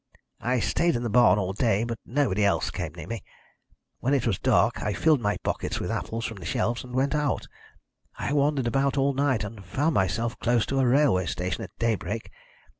"I stayed in the barn all day, but nobody else came near me. When it was dark, I filled my pockets with apples from the shelves, and went out. I wandered about all night, and found myself close to a railway station at daybreak.